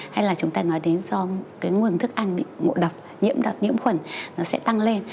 hay là chúng ta nói đến do nguồn thức ăn bị mộ độc nhiễm độc nhiễm khuẩn sẽ tăng lên